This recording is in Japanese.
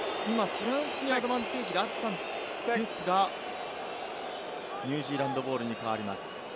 フランスにアドバンテージがあったんですが、ニュージーランドボールに変わります。